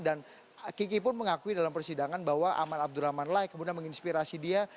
dan kiki pun mengakui dalam persidangan bahwa aman abdurrahman lah yang kemudian menginspirasi dia